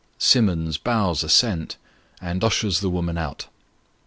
" Simmons bows assent, and ushers the woman out.